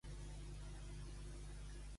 Sant Ponç guarda de xinxes.